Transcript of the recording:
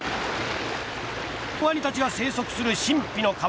ワニたちが生息する神秘の川。